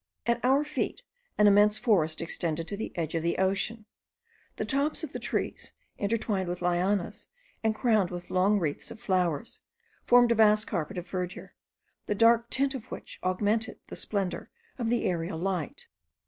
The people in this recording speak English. At our feet an immense forest extended to the edge of the ocean. The tops of the trees, intertwined with lianas, and crowned with long wreaths of flowers, formed a vast carpet of verdure, the dark tint of which augmented the splendour of the aerial light.